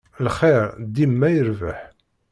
Lxir dima irebbeḥ.